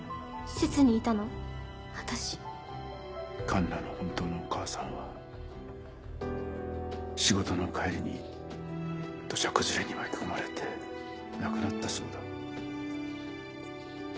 環奈の本当のお母さんは仕事の帰りに土砂崩れに巻き込まれて亡くなったそうだ。